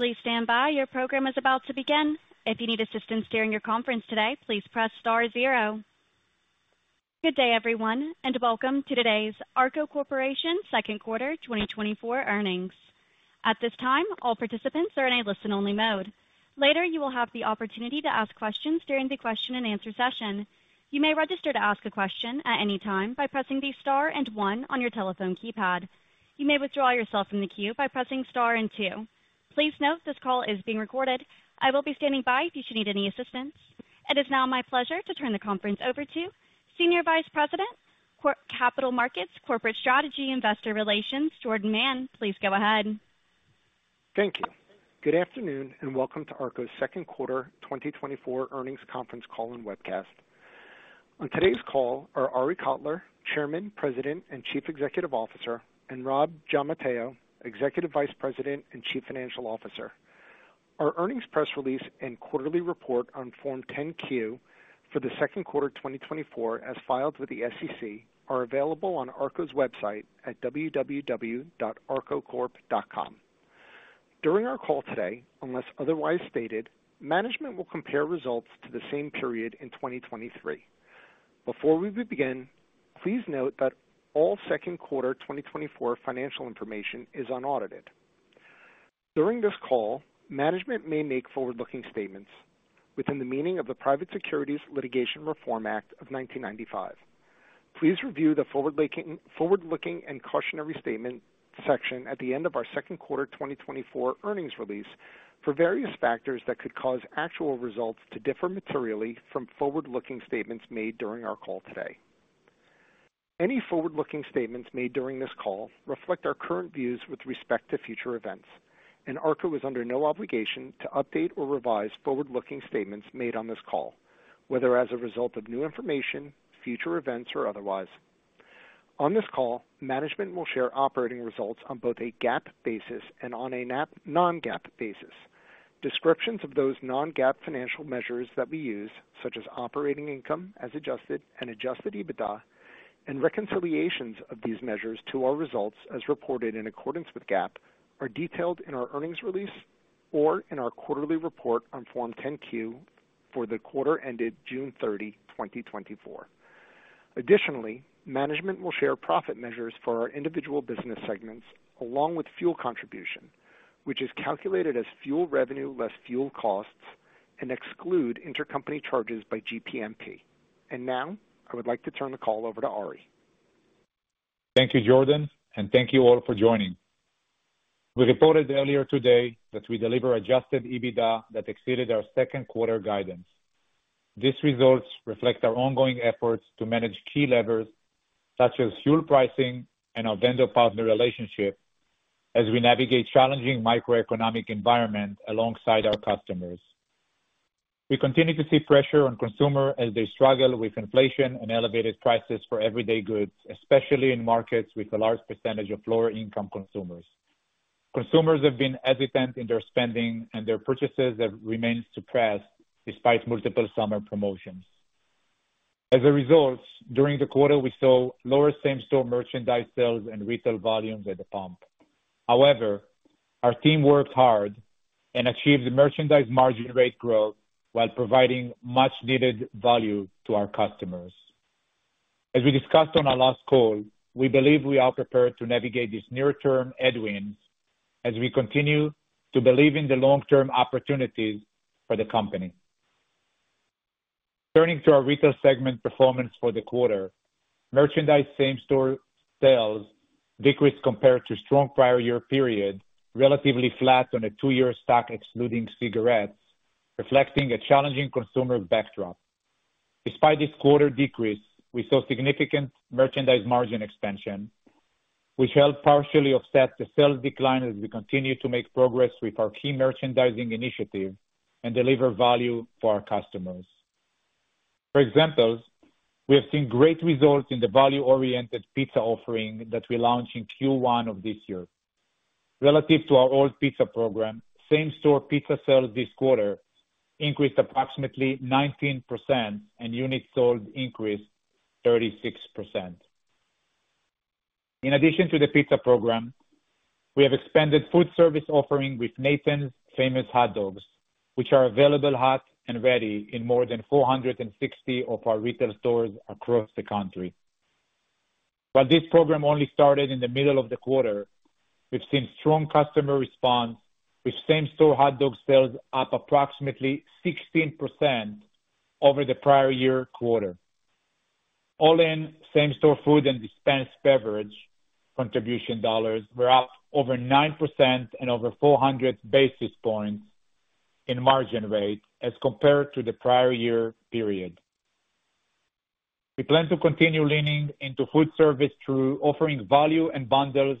Please stand by. Your program is about to begin. If you need assistance during your conference today, please press star zero. Good day, everyone, and welcome to today's ARKO Corp. second quarter 2024 earnings. At this time, all participants are in a listen-only mode. Later, you will have the opportunity to ask questions during the question-and-answer session. You may register to ask a question at any time by pressing the star and one on your telephone keypad. You may withdraw yourself from the queue by pressing star and two. Please note this call is being recorded. I will be standing by if you should need any assistance. It is now my pleasure to turn the conference over to Senior Vice President, Capital Markets, Corporate Strategy, Investor Relations, Jordan Mann. Please go ahead. Thank you. Good afternoon, and welcome to ARKO's second quarter 2024 earnings conference call and webcast. On today's call are Arie Kotler, Chairman, President, and Chief Executive Officer, and Robb Giammatteo, Executive Vice President and Chief Financial Officer. Our earnings press release and quarterly report on Form 10-Q for the second quarter of 2024, as filed with the SEC, are available on ARKO's website at www.arkocorp.com. During our call today, unless otherwise stated, management will compare results to the same period in 2023. Before we begin, please note that all second quarter 2024 financial information is unaudited. During this call, management may make forward-looking statements within the meaning of the Private Securities Litigation Reform Act of 1995. Please review the forward-looking, forward-looking and cautionary statement section at the end of our second quarter 2024 earnings release for various factors that could cause actual results to differ materially from forward-looking statements made during our call today. Any forward-looking statements made during this call reflect our current views with respect to future events, and ARKO is under no obligation to update or revise forward-looking statements made on this call, whether as a result of new information, future events, or otherwise. On this call, management will share operating results on both a GAAP basis and on a non-GAAP basis. Descriptions of those non-GAAP financial measures that we use, such as operating income as adjusted and Adjusted EBITDA, and reconciliations of these measures to our results, as reported in accordance with GAAP, are detailed in our earnings release or in our quarterly report on Form 10-Q for the quarter ended June 30, 2024. Additionally, management will share profit measures for our individual business segments along with fuel contribution, which is calculated as fuel revenue less fuel costs and exclude intercompany charges by GPMP. And now, I would like to turn the call over to Arie. Thank you, Jordan, and thank you all for joining. We reported earlier today that we deliver Adjusted EBITDA that exceeded our second quarter guidance. These results reflect our ongoing efforts to manage key levers, such as fuel pricing and our vendor partner relationship, as we navigate challenging macroeconomic environment alongside our customers. We continue to see pressure on consumer as they struggle with inflation and elevated prices for everyday goods, especially in markets with a large percentage of lower-income consumers. Consumers have been hesitant in their spending, and their purchases have remained suppressed despite multiple summer promotions. As a result, during the quarter, we saw lower same-store merchandise sales and retail volumes at the pump. However, our team worked hard and achieved merchandise margin rate growth while providing much-needed value to our customers. As we discussed on our last call, we believe we are prepared to navigate this near-term headwind as we continue to believe in the long-term opportunities for the company. Turning to our retail segment performance for the quarter, merchandise same-store sales decreased compared to strong prior year period, relatively flat on a two-year stack, excluding cigarettes, reflecting a challenging consumer backdrop. Despite this quarter decrease, we saw significant merchandise margin expansion, which helped partially offset the sales decline as we continue to make progress with our key merchandising initiative and deliver value for our customers. For example, we have seen great results in the value-oriented pizza offering that we launched in Q1 of this year. Relative to our old pizza program, same-store pizza sales this quarter increased approximately 19%, and units sold increased 36%. In addition to the pizza program, we have expanded food service offering with Nathan's Famous Hot Dogs, which are available hot and ready in more than 460 of our retail stores across the country. While this program only started in the middle of the quarter, we've seen strong customer response, with same-store hot dog sales up approximately 16% over the prior year quarter. All in, same-store food and dispense beverage contribution dollars were up over 9% and over 400 basis points in margin rate as compared to the prior year period. We plan to continue leaning into food service through offering value and bundles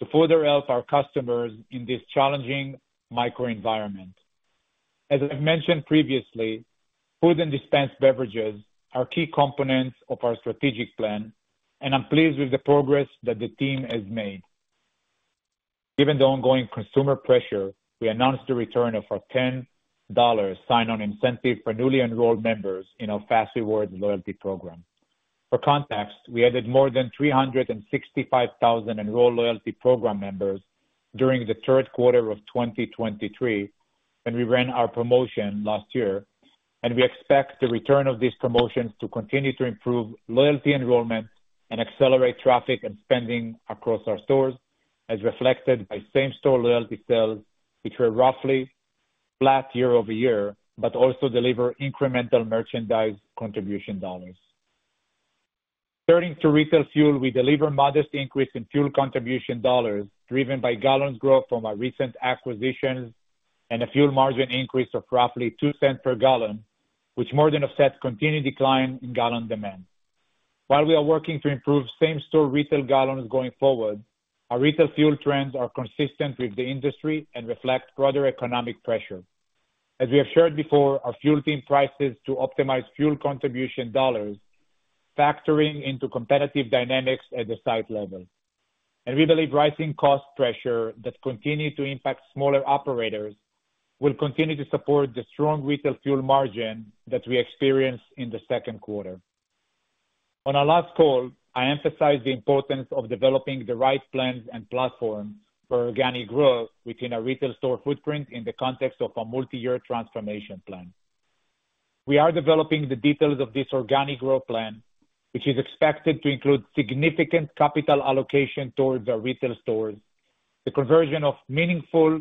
to further help our customers in this challenging macroenvironment. As I've mentioned previously, food and dispense beverages are key components of our strategic plan, and I'm pleased with the progress that the team has made. Given the ongoing consumer pressure, we announced the return of our $10 sign-on incentive for newly enrolled members in our as fas REWARDS loyalty program. For context, we added more than 365,000 enrolled loyalty program members during the third quarter of 2023, when we ran our promotion last year, and we expect the return of these promotions to continue to improve loyalty enrollment and accelerate traffic and spending across our stores, as reflected by same-store loyalty sales, which were roughly flat year-over-year, but also deliver incremental merchandise contribution dollars. Turning to retail fuel, we deliver modest increase in fuel contribution dollars, driven by gallons growth from our recent acquisitions and a fuel margin increase of roughly $0.02 per gallon, which more than offsets continued decline in gallon demand. While we are working to improve same-store retail gallons going forward, our retail fuel trends are consistent with the industry and reflect broader economic pressure. As we have shared before, our fuel team prices to optimize fuel contribution dollars, factoring into competitive dynamics at the site level. We believe rising cost pressure that continue to impact smaller operators will continue to support the strong retail fuel margin that we experienced in the second quarter. On our last call, I emphasized the importance of developing the right plans and platform for organic growth within our retail store footprint in the context of a multi-year transformation plan. We are developing the details of this organic growth plan, which is expected to include significant capital allocation towards our retail stores, the conversion of meaningful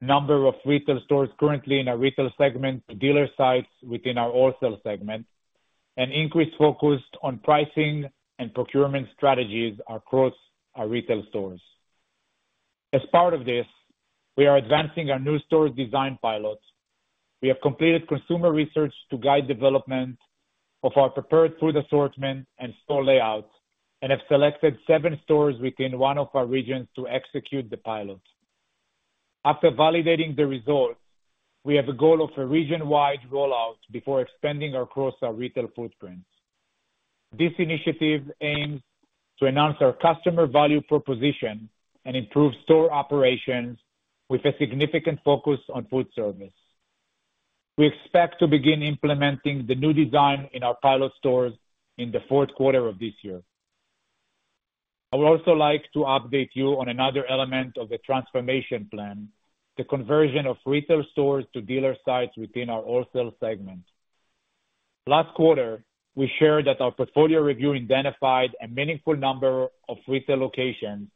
number of retail stores currently in our retail segment to dealer sites within our wholesale segment, an increased focus on pricing and procurement strategies across our retail stores. As part of this, we are advancing our new store design pilot. We have completed consumer research to guide development of our prepared food assortment and store layouts, and have selected seven stores within one of our regions to execute the pilot. After validating the results, we have a goal of a region-wide rollout before expanding across our retail footprints. This initiative aims to enhance our customer value proposition and improve store operations with a significant focus on food service. We expect to begin implementing the new design in our pilot stores in the fourth quarter of this year. I would also like to update you on another element of the transformation plan, the conversion of retail stores to dealer sites within our wholesale segment. Last quarter, we shared that our portfolio review identified a meaningful number of retail locations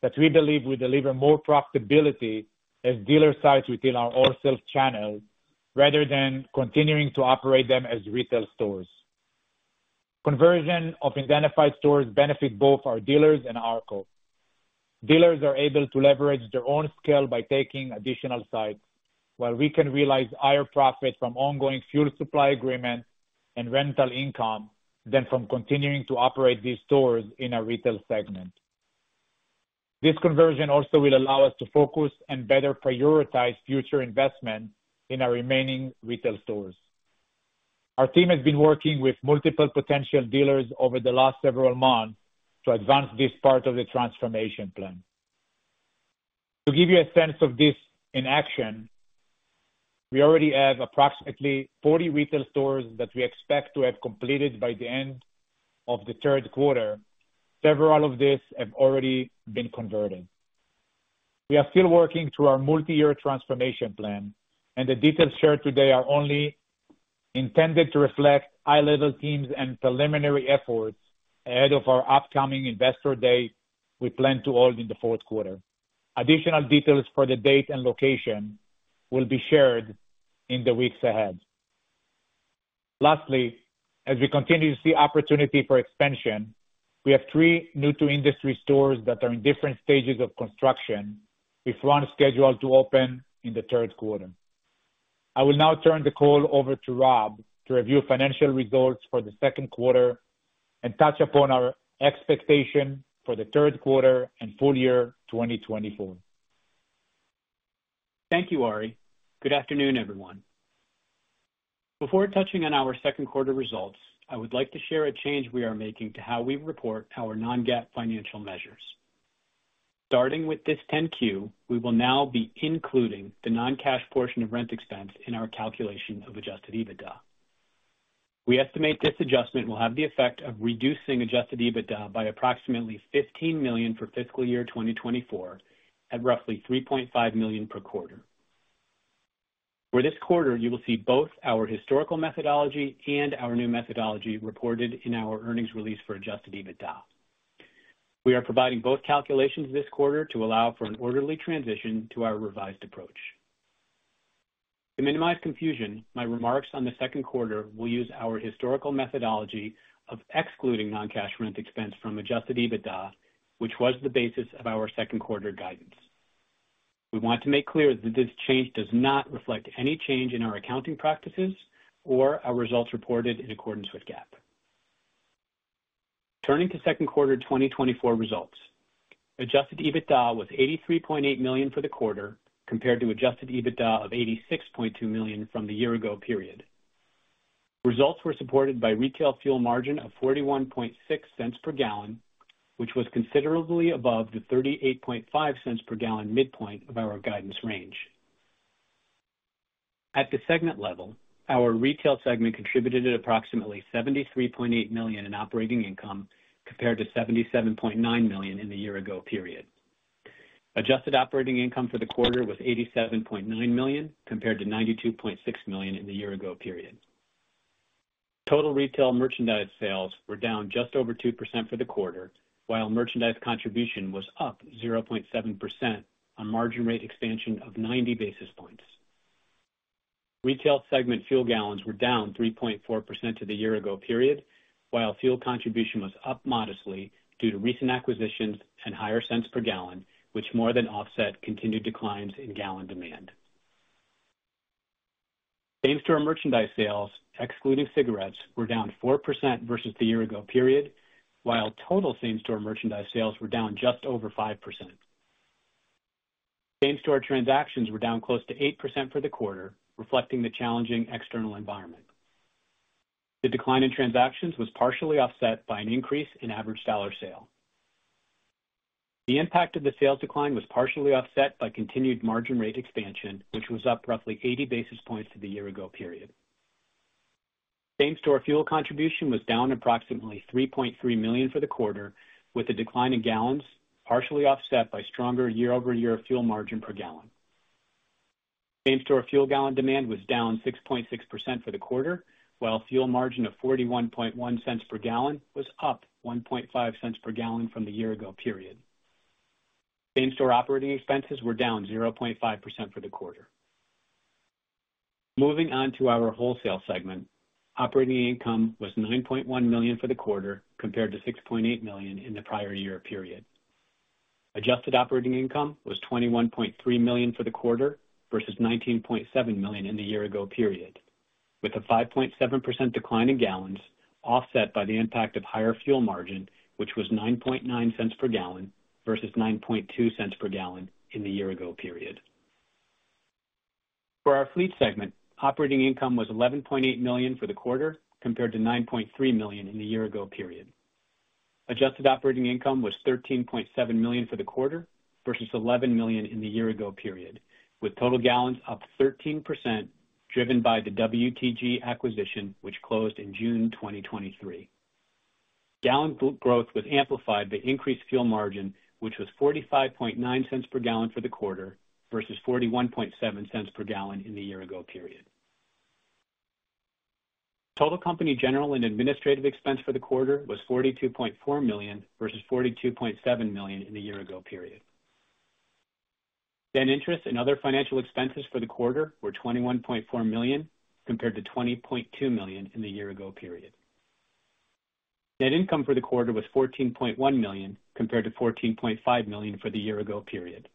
that we believe will deliver more profitability as dealer sites within our wholesale channels, rather than continuing to operate them as retail stores. Conversion of identified stores benefit both our dealers and ARKO. Dealers are able to leverage their own scale by taking additional sites, while we can realize higher profit from ongoing fuel supply agreements and rental income than from continuing to operate these stores in our retail segment. This conversion also will allow us to focus and better prioritize future investment in our remaining retail stores. Our team has been working with multiple potential dealers over the last several months to advance this part of the transformation plan. To give you a sense of this in action, we already have approximately 40 retail stores that we expect to have completed by the end of the third quarter. Several of these have already been converted. We are still working through our multi-year transformation plan, and the details shared today are only intended to reflect high-level themes and preliminary efforts ahead of our upcoming Investor Day we plan to hold in the fourth quarter. Additional details for the date and location will be shared in the weeks ahead. Lastly, as we continue to see opportunity for expansion, we have three New-to-Industry stores that are in different stages of construction, with one scheduled to open in the third quarter. I will now turn the call over to Robb to review financial results for the second quarter and touch upon our expectation for the third quarter and full year 2024. Thank you, Arie. Good afternoon, everyone. Before touching on our second quarter results, I would like to share a change we are making to how we report our non-GAAP financial measures. Starting with this 10-Q, we will now be including the non-cash portion of rent expense in our calculation of adjusted EBITDA. We estimate this adjustment will have the effect of reducing adjusted EBITDA by approximately $15 million for fiscal year 2024, at roughly $3.5 million per quarter. For this quarter, you will see both our historical methodology and our new methodology reported in our earnings release for adjusted EBITDA. We are providing both calculations this quarter to allow for an orderly transition to our revised approach. To minimize confusion, my remarks on the second quarter will use our historical methodology of excluding non-cash rent expense from adjusted EBITDA, which was the basis of our second quarter guidance. We want to make clear that this change does not reflect any change in our accounting practices or our results reported in accordance with GAAP. Turning to second quarter 2024 results, adjusted EBITDA was $83.8 million for the quarter, compared to adjusted EBITDA of $86.2 million from the year ago period. Results were supported by retail fuel margin of 41.6 cents per gallon, which was considerably above the 38.5 cents per gallon midpoint of our guidance range.... At the segment level, our retail segment contributed at approximately $73.8 million in operating income, compared to $77.9 million in the year ago period. Adjusted operating income for the quarter was $87.9 million, compared to $92.6 million in the year ago period. Total retail merchandise sales were down just over 2% for the quarter, while merchandise contribution was up 0.7%, a margin rate expansion of 90 basis points. Retail segment fuel gallons were down 3.4% to the year ago period, while fuel contribution was up modestly due to recent acquisitions and higher cents per gallon, which more than offset continued declines in gallon demand. Same-store merchandise sales, excluding cigarettes, were down 4% versus the year ago period, while total same-store merchandise sales were down just over 5%. Same-store transactions were down close to 8% for the quarter, reflecting the challenging external environment. The decline in transactions was partially offset by an increase in average dollar sale. The impact of the sales decline was partially offset by continued margin rate expansion, which was up roughly 80 basis points to the year-ago period. Same-store fuel contribution was down approximately $3.3 million for the quarter, with a decline in gallons partially offset by stronger year-over-year fuel margin per gallon. Same-store fuel gallon demand was down 6.6% for the quarter, while fuel margin of $0.411 per gallon was up $0.015 per gallon from the year-ago period. Same-store operating expenses were down 0.5% for the quarter. Moving on to our wholesale segment. Operating income was $9.1 million for the quarter, compared to $6.8 million in the prior year period. Adjusted operating income was $21.3 million for the quarter versus $19.7 million in the year ago period, with a 5.7% decline in gallons, offset by the impact of higher fuel margin, which was 9.9 cents per gallon versus 9.2 cents per gallon in the year ago period. For our fleet segment, operating income was $11.8 million for the quarter, compared to $9.3 million in the year ago period. Adjusted operating income was $13.7 million for the quarter versus $11 million in the year ago period, with total gallons up 13%, driven by the WTG acquisition, which closed in June 2023. Gallon growth was amplified by increased fuel margin, which was 45.9 cents per gallon for the quarter versus 41.7 cents per gallon in the year ago period. Total company general and administrative expense for the quarter was $42.4 million versus $42.7 million in the year ago period. Net interest and other financial expenses for the quarter were $21.4 million, compared to $20.2 million in the year ago period. Net income for the quarter was $14.1 million, compared to $14.5 million for the year ago period.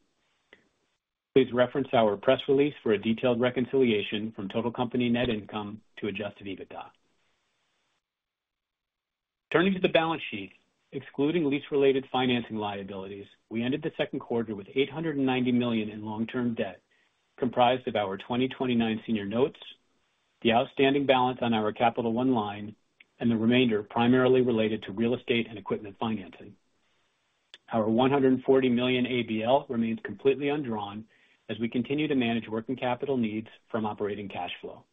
Please reference our press release for a detailed reconciliation from total company net income to Adjusted EBITDA. Turning to the balance sheet, excluding lease-related financing liabilities, we ended the second quarter with $890 million in long-term debt, comprised of our 2029 Senior Notes, the outstanding balance on our Capital One line, and the remainder primarily related to real estate and equipment financing. Our $140 million ABL remains completely undrawn as we continue to manage working capital needs from operating cash flow.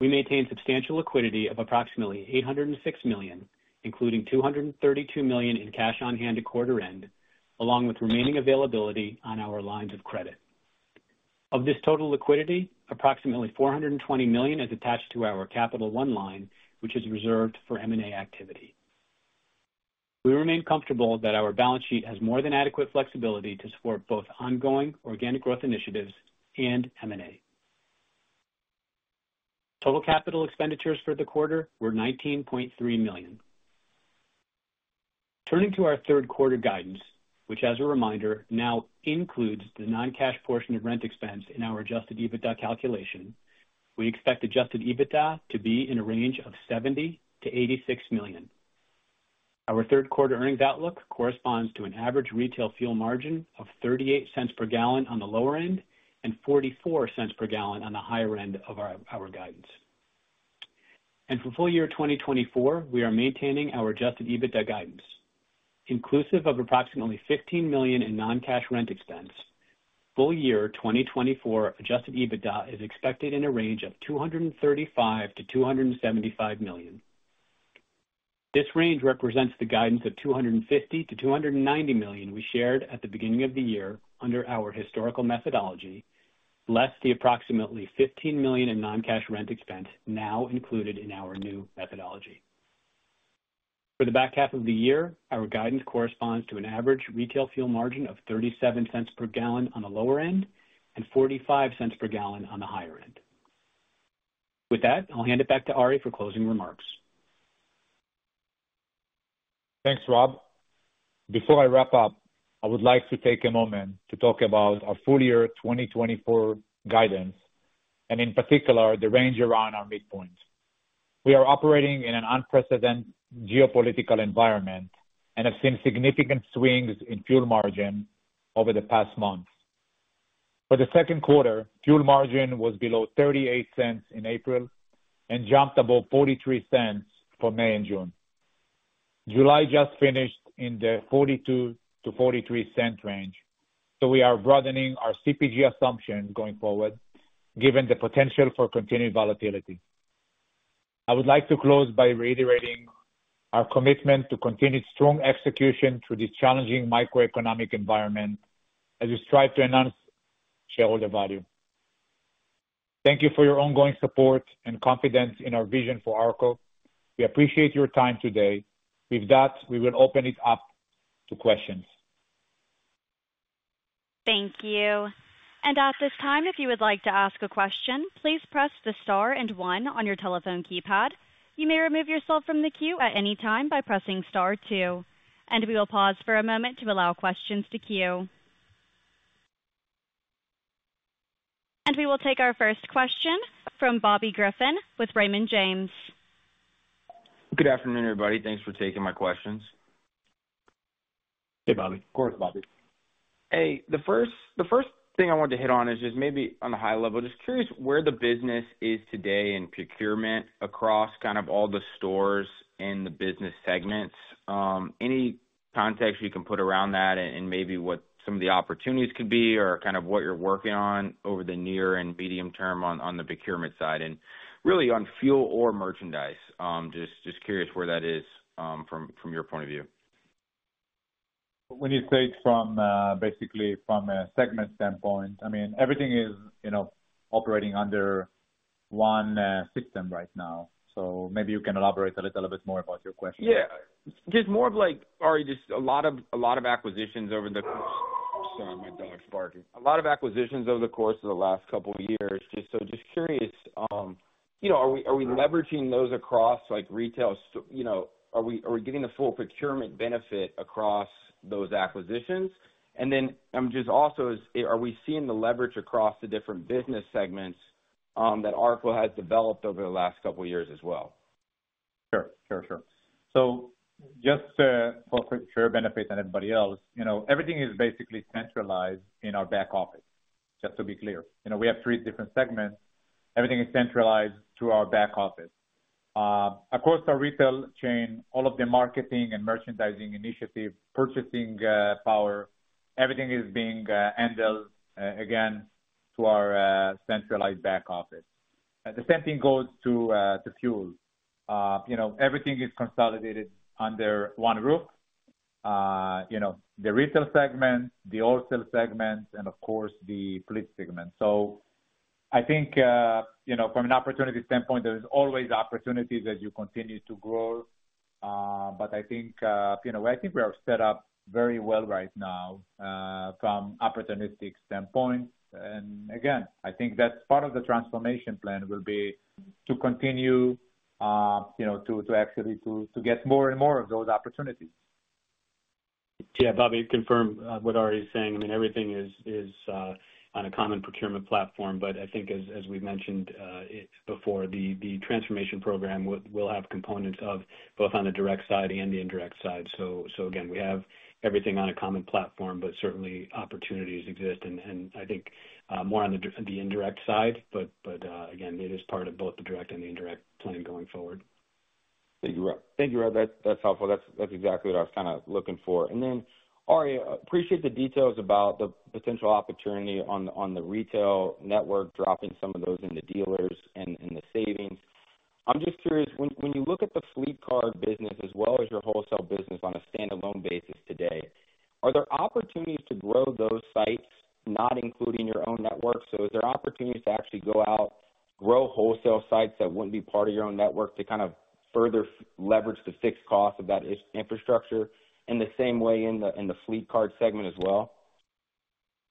We maintain substantial liquidity of approximately $806 million, including $232 million in cash on hand at quarter end, along with remaining availability on our lines of credit. Of this total liquidity, approximately $420 million is attached to our Capital One line, which is reserved for M&A activity. We remain comfortable that our balance sheet has more than adequate flexibility to support both ongoing organic growth initiatives and M&A. Total capital expenditures for the quarter were $19.3 million. Turning to our third quarter guidance, which, as a reminder, now includes the non-cash portion of rent expense in our adjusted EBITDA calculation, we expect adjusted EBITDA to be in a range of $70 million-$86 million. Our third quarter earnings outlook corresponds to an average retail fuel margin of $0.38-$0.44 per gallon on the lower end and higher end of our guidance. For full year 2024, we are maintaining our Adjusted EBITDA guidance. Inclusive of approximately $15 million in non-cash rent expense, full year 2024 Adjusted EBITDA is expected in a range of $235 million-$275 million. This range represents the guidance of $250 million-$290 million we shared at the beginning of the year under our historical methodology, less the approximately $15 million in non-cash rent expense now included in our new methodology. For the back half of the year, our guidance corresponds to an average retail fuel margin of $0.37 per gallon on the lower end and $0.45 per gallon on the higher end. With that, I'll hand it back to Arie for closing remarks. Thanks, Robb. Before I wrap up, I would like to take a moment to talk about our full year 2024 guidance and, in particular, the range around our midpoint. We are operating in an unprecedented geopolitical environment and have seen significant swings in fuel margin over the past months. For the second quarter, fuel margin was below 38 cents in April and jumped above 43 cents for May and June. July just finished in the 42- to 43-cent range, so we are broadening our CPG assumption going forward, given the potential for continued volatility. I would like to close by reiterating our commitment to continued strong execution through this challenging macroeconomic environment as we strive to enhance shareholder value. Thank you for your ongoing support and confidence in our vision for ARKO. We appreciate your time today. With that, we will open it up to questions. Thank you. At this time, if you would like to ask a question, please press the star and one on your telephone keypad. You may remove yourself from the queue at any time by pressing star two, and we will pause for a moment to allow questions to queue. We will take our first question from Bobby Griffin with Raymond James. Good afternoon, everybody. Thanks for taking my questions. Hey, Bobby. Of course, Bobby. Hey, the first thing I wanted to hit on is just maybe on a high level, just curious where the business is today in procurement across kind of all the stores and the business segments. Any context you can put around that and maybe what some of the opportunities could be or kind of what you're working on over the near and medium term on the procurement side and really on fuel or merchandise? Just curious where that is from your point of view. When you say from, basically from a segment standpoint, I mean, everything is, you know, operating under one system right now. So maybe you can elaborate a little bit more about your question. Yeah. Just more of like, Arie, just a lot of acquisitions over the - Sorry, my dog's barking. A lot of acquisitions over the course of the last couple of years. Just so, just curious, you know, are we, are we leveraging those across like retail sto- you know, are we, are we getting the full procurement benefit across those acquisitions? And then, just also, are we seeing the leverage across the different business segments that ARKO has developed over the last couple of years as well? Sure. Sure, sure. So just, for sure benefit than anybody else, you know, everything is basically centralized in our back office, just to be clear. You know, we have three different segments. Everything is centralized to our back office. Across our retail chain, all of the marketing and merchandising initiatives, purchasing, power, everything is being handled, again, to our centralized back office. The same thing goes to fuel. You know, everything is consolidated under one roof. You know, the retail segment, the wholesale segment, and of course, the fleet segment. So I think, you know, from an opportunity standpoint, there is always opportunities as you continue to grow. But I think, you know, I think we are set up very well right now, from opportunistic standpoint. And again, I think that's part of the transformation plan will be to continue, you know, to actually get more and more of those opportunities. Yeah, Bobby, confirm what Ari is saying. I mean, everything is on a common procurement platform, but I think as we've mentioned it before, the transformation program will have components of both on the direct side and the indirect side. So again, we have everything on a common platform, but certainly opportunities exist. And I think more on the indirect side, but again, it is part of both the direct and the indirect plan going forward. Thank you, Robb. Thank you, Robb. That's, that's helpful. That's, that's exactly what I was kind of looking for. And then, Arie, appreciate the details about the potential opportunity on the, on the retail network, dropping some of those in the dealers and, and the savings. I'm just curious, when, when you look at the fleet card business as well as your wholesale business on a standalone basis today, are there opportunities to grow those sites, not including your own network? So are there opportunities to actually go out, grow wholesale sites that wouldn't be part of your own network to kind of further leverage the fixed cost of that is- infrastructure in the same way in the, in the fleet card segment as well?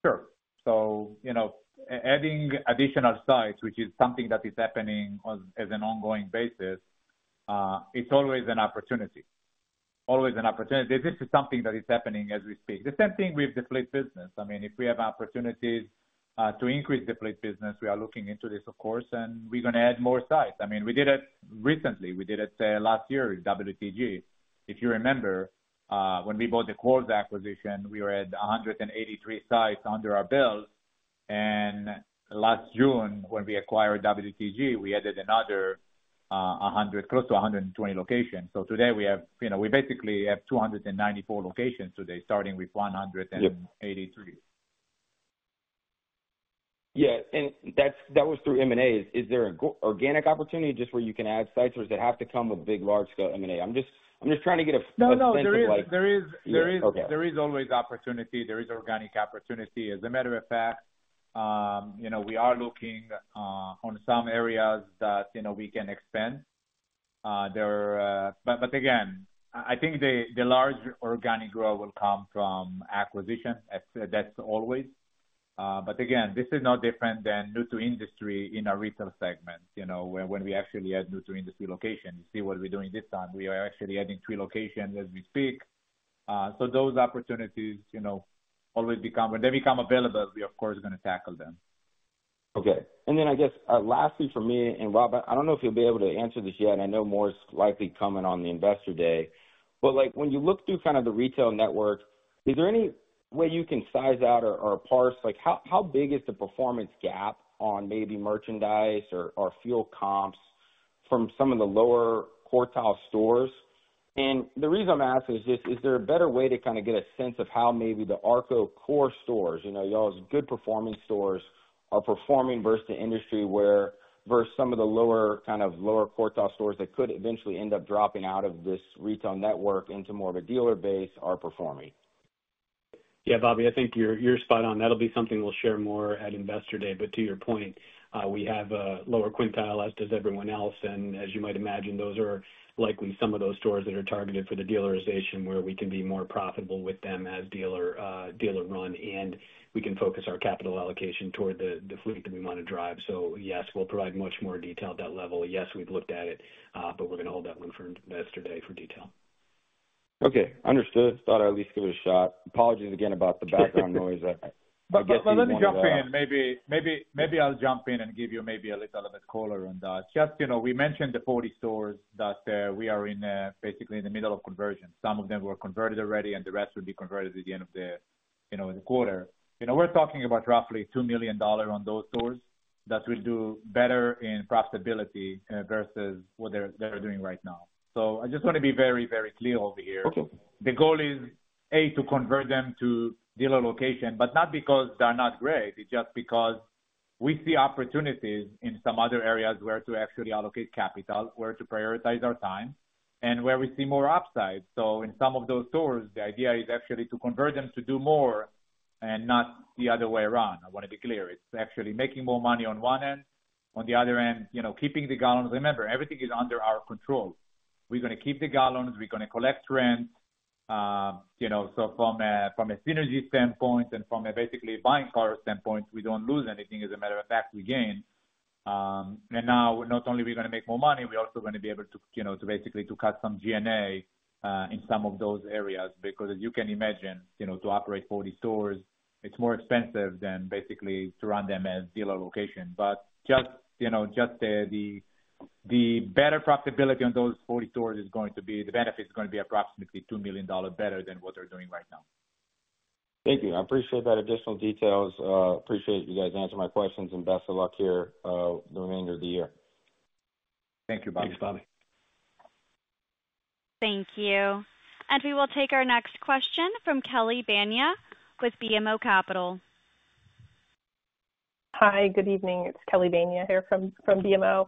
Sure. So, you know, adding additional sites, which is something that is happening on as an ongoing basis, it's always an opportunity. Always an opportunity. This is something that is happening as we speak. The same thing with the fleet business. I mean, if we have opportunities to increase the fleet business, we are looking into this, of course, and we're gonna add more sites. I mean, we did it recently. We did it, say, last year with WTG. If you remember, when we bought the Quarles acquisition, we were at 183 sites under our belt, and last June, when we acquired WTG, we added another, close to 120 locations. So today we have... You know, we basically have 294 locations today, starting with 183. Yeah, and that was through M&A. Is there any organic opportunity just where you can add sites, or does it have to come with big, large scale M&A? I'm just, I'm just trying to get a- No, no, there is- sense of like- There is. Okay. There is always opportunity. There is organic opportunity. As a matter of fact, you know, we are looking on some areas that, you know, we can expand. But again, I think the large organic growth will come from acquisition. As I said, that's always. But again, this is no different than New-to-Industry in our retail segment, you know, when we actually add New-to-Industry locations. You see what we're doing this time. We are actually adding three locations as we speak. So those opportunities, you know, always become, when they become available, we of course are going to tackle them. Okay. And then I guess, lastly for me, and Robb, I don't know if you'll be able to answer this yet. I know more is likely coming on the Investor Day. But like, when you look through kind of the retail network— Is there any way you can size out or parse, like how big is the performance gap on maybe merchandise or fuel comps from some of the lower quartile stores? And the reason I'm asking is just, is there a better way to kind of get a sense of how maybe the ARKO core stores, you know, y'all's good performing stores, are performing versus the industry where— versus some of the lower kind of lower quartile stores that could eventually end up dropping out of this retail network into more of a dealer base are performing? Yeah, Bobby, I think you're spot on. That'll be something we'll share more at Investor Day. But to your point, we have a lower quintile, as does everyone else, and as you might imagine, those are likely some of those stores that are targeted for the dealerization, where we can be more profitable with them as dealer, dealer-run, and we can focus our capital allocation toward the fleet that we want to drive. So yes, we'll provide much more detail at that level. Yes, we've looked at it, but we're gonna hold that one for Investor Day for detail. Okay, understood. Thought I'd at least give it a shot. Apologies again about the background noise. I- But, but let me jump in. Maybe, maybe, maybe I'll jump in and give you maybe a little bit color on that. Just, you know, we mentioned the 40 stores that we are in basically in the middle of conversion. Some of them were converted already, and the rest will be converted at the end of the, you know, the quarter. You know, we're talking about roughly $2 million on those stores that will do better in profitability versus what they're doing right now. So I just want to be very, very clear over here. Okay. The goal is, A, to convert them to dealer location, but not because they're not great. It's just because we see opportunities in some other areas where to actually allocate capital, where to prioritize our time and where we see more upside. So in some of those stores, the idea is actually to convert them to do more and not the other way around. I want to be clear, it's actually making more money on one end, on the other end, you know, keeping the gallons. Remember, everything is under our control. We're gonna keep the gallons, we're gonna collect rent. You know, so from a synergy standpoint and from a basically buying car standpoint, we don't lose anything. As a matter of fact, we gain. And now not only are we gonna make more money, we're also gonna be able to, you know, to basically to cut some G&A in some of those areas. Because as you can imagine, you know, to operate 40 stores, it's more expensive than basically to run them as dealer location. But just, you know, just the better profitability on those 40 stores is going to be, the benefit is gonna be approximately $2 million better than what they're doing right now. Thank you. I appreciate that additional details. Appreciate you guys answering my questions, and best of luck here, the remainder of the year. Thank you, Bobby. Thanks, Bobby. Thank you. We will take our next question from Kelly Bania with BMO Capital. Hi, good evening. It's Kelly Bania here from BMO.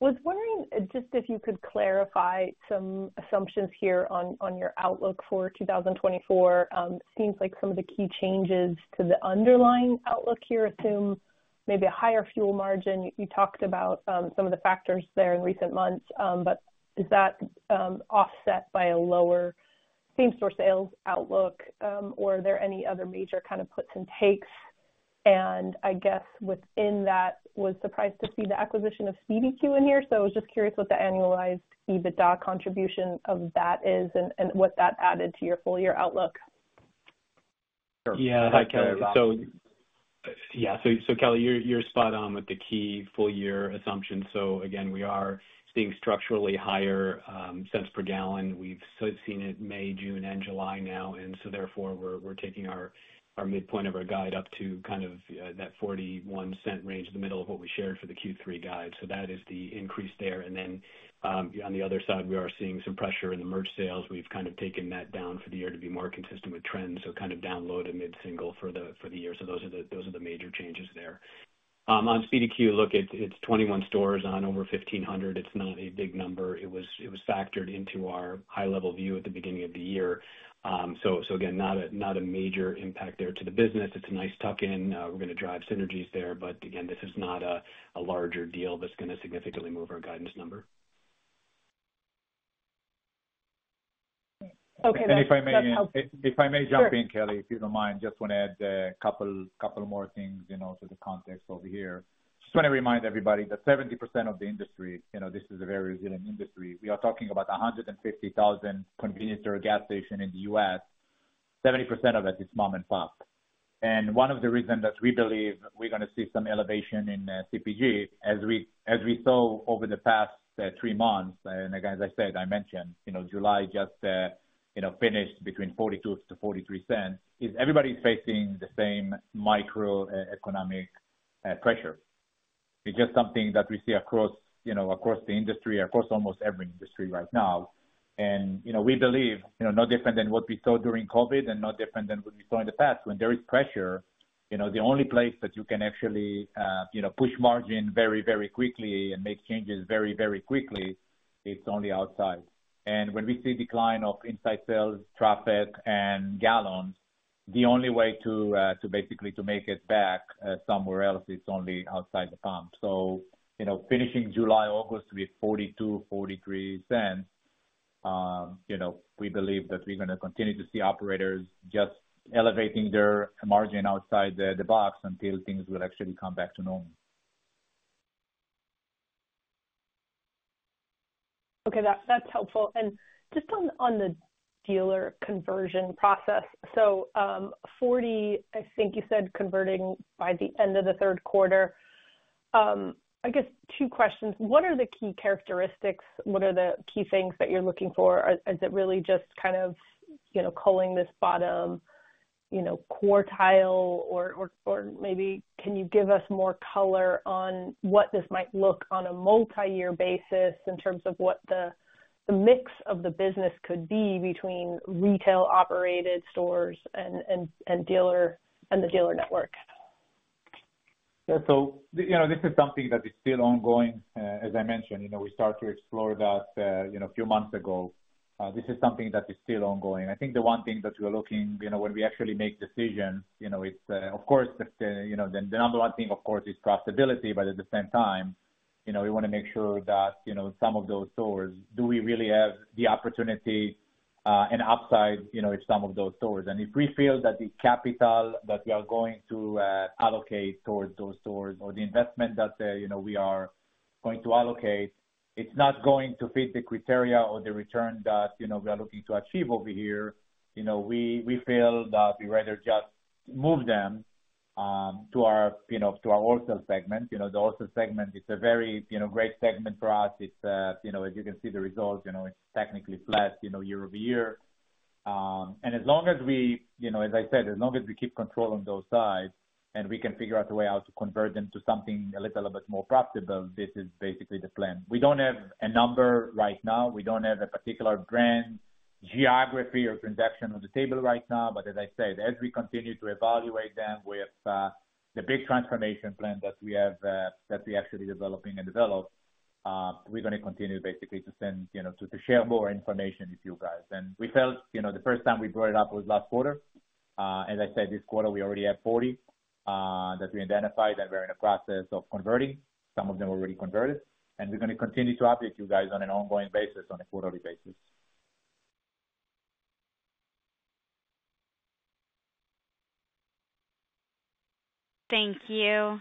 Was wondering just if you could clarify some assumptions here on your outlook for 2024. Seems like some of the key changes to the underlying outlook here assume maybe a higher fuel margin. You talked about some of the factors there in recent months, but is that offset by a lower same-store sales outlook? Or are there any other major kind of puts and takes? And I guess within that, was surprised to see the acquisition of Speedy's here. So I was just curious what the annualized EBITDA contribution of that is and what that added to your full year outlook. Yeah. Hi, Kelly. So, Kelly, you're spot on with the key full year assumptions. So again, we are seeing structurally higher cents per gallon. We've also seen it May, June, and July now, and so therefore, we're taking our midpoint of our guide up to kind of that 41-cent range, in the middle of what we shared for the Q3 guide. So that is the increase there. And then, on the other side, we are seeing some pressure in the merch sales. We've kind of taken that down for the year to be more consistent with trends, so kind of down low to mid-single for the year. So those are the major changes there. On Speedy's, look, it's 21 stores on over 1,500. It's not a big number. It was factored into our high-level view at the beginning of the year. So again, not a major impact there to the business. It's a nice tuck-in. We're gonna drive synergies there, but again, this is not a larger deal that's gonna significantly move our guidance number. Okay. And if I may, if I may jump in, Kelly, if you don't mind, just want to add a couple, couple more things, you know, to the context over here. Just want to remind everybody that 70% of the industry, you know, this is a very resilient industry. We are talking about 150,000 convenience or gas station in the U.S. 70% of it is mom and pop. And one of the reasons that we believe we're gonna see some elevation in CPG, as we, as we saw over the past three months, and again, as I said, I mentioned, you know, July just finished between $0.42-$0.43, is everybody is facing the same microeconomic pressure. It's just something that we see across, you know, across the industry, across almost every industry right now. And, you know, we believe, you know, no different than what we saw during COVID and no different than what we saw in the past, when there is pressure, you know, the only place that you can actually, you know, push margin very, very quickly and make changes very, very quickly, it's on the outside. And when we see decline of inside sales, traffic, and gallons, the only way to basically make it back somewhere else, it's only outside the pump. So, you know, finishing July, August, with $0.42-$0.43, you know, we believe that we're gonna continue to see operators just elevating their margin outside the box until things will actually come back to normal. Okay, that's helpful. And just on the dealer conversion process. So, 40, I think you said, converting by the end of the third quarter. I guess two questions. What are the key characteristics? What are the key things that you're looking for? Is it really just kind of, you know, culling this bottom, you know, quartile? Or, or, or maybe can you give us more color on what this might look on a multi-year basis in terms of what the mix of the business could be between retail-operated stores and the dealer network? Yeah. So, you know, this is something that is still ongoing. As I mentioned, you know, we start to explore that, you know, a few months ago. This is something that is still ongoing. I think the one thing that we're looking, you know, when we actually make decisions, you know, it's, of course, it's, you know, the, the number one thing, of course, is profitability, but at the same time, you know, we wanna make sure that, you know, some of those stores, do we really have the opportunity, and upside, you know, in some of those stores? And if we feel that the capital that we are going to allocate towards those stores or the investment that, you know, we are going to allocate, it's not going to fit the criteria or the return that, you know, we are looking to achieve over here. You know, we feel that we rather just move them to our, you know, to our wholesale segment. You know, the wholesale segment is a very, you know, great segment for us. It's, you know, as you can see the results, you know, it's technically flat, you know, year-over-year. And as long as we, you know, as I said, as long as we keep control on those sides, and we can figure out a way how to convert them to something a little bit more profitable, this is basically the plan. We don't have a number right now. We don't have a particular brand, geography or transaction on the table right now, but as I said, as we continue to evaluate them with the big transformation plan that we have, that we're actually developing, we're gonna continue basically to, you know, to share more information with you guys. And we felt, you know, the first time we brought it up was last quarter. As I said, this quarter, we already have 40 that we identified, that we're in the process of converting. Some of them already converted, and we're gonna continue to update you guys on an ongoing basis, on a quarterly basis. Thank you.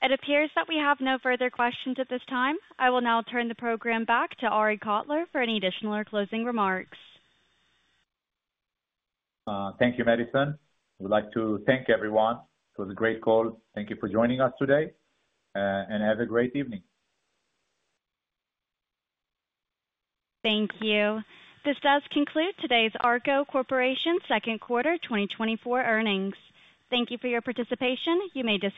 It appears that we have no further questions at this time. I will now turn the program back to Arie Kotler for any additional or closing remarks. Thank you, Madison. I would like to thank everyone. It was a great call. Thank you for joining us today, and have a great evening. Thank you. This does conclude today's ARKO Corp. second quarter 2024 earnings. Thank you for your participation. You may disconnect.